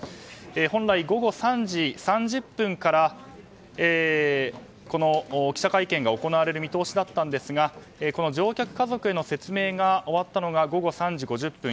本来、午後３時３０分からこの記者会見が行われる見通しだったんですがこの乗客家族への説明が終わったのが午後３時５０分。